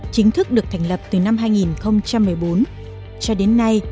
chính thức được thành lập từ năm hai nghìn một mươi bốn cho đến nay